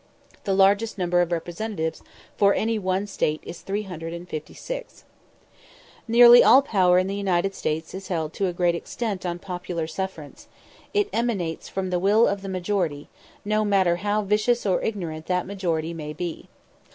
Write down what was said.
The largest number of Representatives for any one State is 356. Nearly all power in the United States is held to a great extent on popular sufferance; it emanates from the will of the majority, no matter how vicious or how ignorant that majority may be.